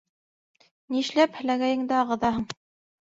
— Нишләп һеләгәйеңде ағыҙаһың?